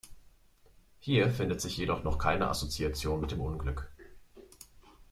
Hier findet sich jedoch noch keine Assoziation mit dem Unglück.